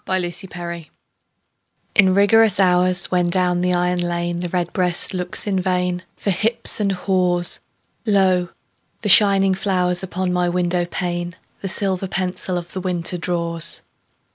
XVII—WINTER In rigorous hours, when down the iron lane The redbreast looks in vain For hips and haws, Lo, shining flowers upon my window pane The silver pencil of the winter draws.